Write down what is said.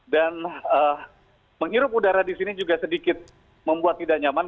dan menghirup udara di sini juga sedikit membuat tidak nyaman